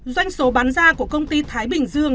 doanh số bán ra của công ty thái bình dương